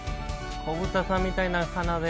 子豚さんみたいな鼻で。